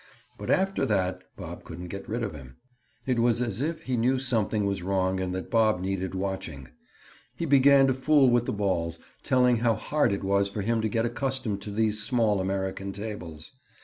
But after that Bob couldn't get rid of him. It was as if he knew something was wrong and that Bob needed watching. He began to fool with the balls, telling how hard it was for him to get accustomed to these small American tables.